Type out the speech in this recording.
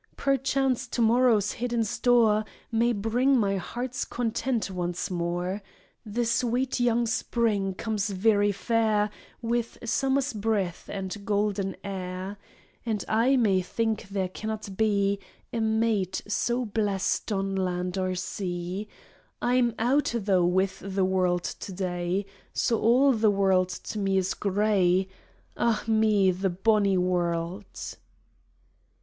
Perchance to morrow's hidden store May bring my heart's content once more, The sweet young spring comes very fair With summer's breath and golden air ; 68 OUT WITH THl WORLD 69 And I may think there cannot be A maid so blest on land or sea. I 'in out, though, with the world to day, So all the world to me is gray — Ah me, the bonny world